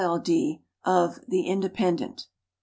LL. D., of The Independent.